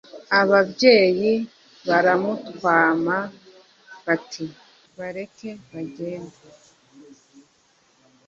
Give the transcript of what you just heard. ababyeyi baramutwama, bati: «bareke bagende,